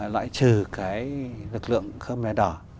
lãi trừ cái lực lượng khmer đỏ